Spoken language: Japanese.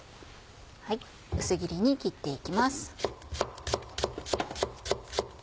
薄切りに切って行きます。